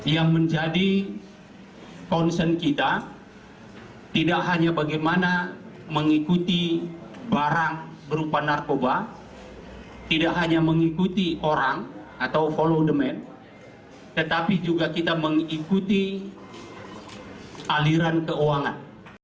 yang menjadi konsen kita tidak hanya mengikuti barang berupa narkoba tetapi juga kita mengikuti aliran keuangan